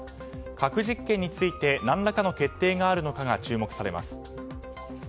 核実験について何らかの決定があるのかが注目されます。